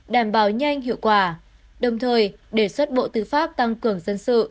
đảm bảo nhanh hiệu quả đồng thời đề xuất bộ tư pháp tăng cường dân sự